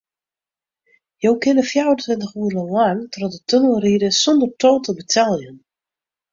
Jo kinne fjouwerentweintich oere lang troch de tunnel ride sûnder tol te beteljen.